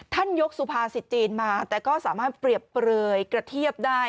ท่านยกสุภาษิตจีนมาแต่ก็สามารถเปรียบเปลยกระเทียบได้